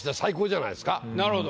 なるほど。